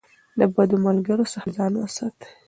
د بدو ملګرو څخه ځان وساتئ.